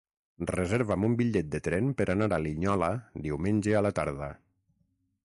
Reserva'm un bitllet de tren per anar a Linyola diumenge a la tarda.